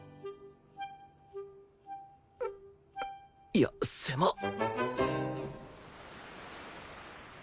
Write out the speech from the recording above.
いや狭っ！